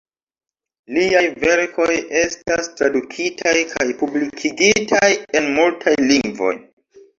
Liaj verkoj estas tradukitaj kaj publikigitaj en multaj lingvoj.